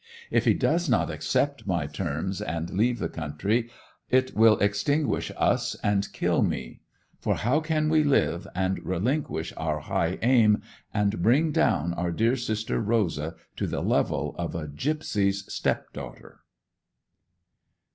If he does not accept my terms and leave the country, it will extinguish us and kill me. For how can we live, and relinquish our high aim, and bring down our dear sister Rosa to the level of a gipsy's step daughter?